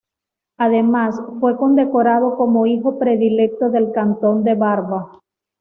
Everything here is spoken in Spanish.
Además, fue condecorado como hijo predilecto del cantón de Barva.